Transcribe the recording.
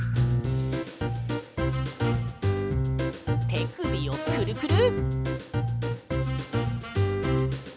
てくびをクルクル。